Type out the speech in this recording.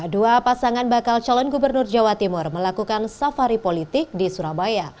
dua pasangan bakal calon gubernur jawa timur melakukan safari politik di surabaya